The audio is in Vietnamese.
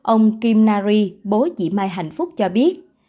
ông kim nari bố chị mai hạnh phúc cho biết